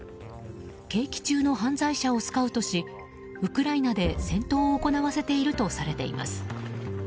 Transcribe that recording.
刑期中の犯罪者をスカウトしウクライナで戦闘を行わせているとされています。